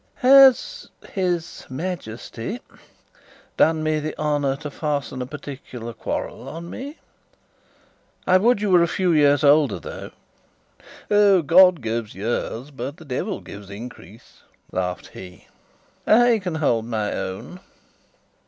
"Has his Majesty done me the honour to fasten a particular quarrel on me?" "I would you were a few years older, though." "Oh, God gives years, but the devil gives increase," laughed he. "I can hold my own."